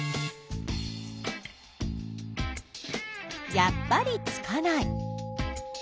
やっぱりつかない。